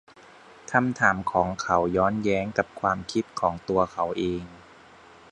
คำถามของเขาย้อนแย้งกับความคิดของตัวเขาเอง